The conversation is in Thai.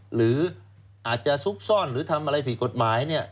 หรืออาจจะซุกซ่อนหรือทำอะไรผิดกฎหมาย